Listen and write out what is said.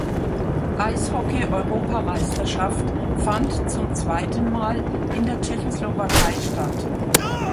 Eishockey-Europameisterschaft fand zum zweiten Mal in der Tschechoslowakei statt.